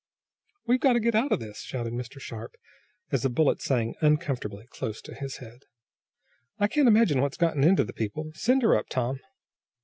"We're got to get out of this!" shouted Mr. Sharp, as a bullet sang uncomfortably close to his head. "I can't imagine what's gotten into the people. Send her up, Tom!"